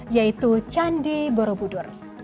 yaitu candi borobudur